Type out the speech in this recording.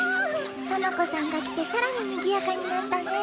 園子さんが来て更ににぎやかになったね。